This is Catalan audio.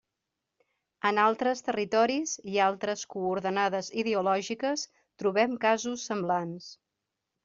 En altres territoris i altres coordenades ideològiques trobem casos semblants.